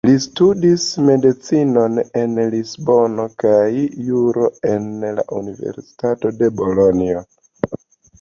Li studis medicinon en Lisbono kaj juro en la Universitato de Bolonjo.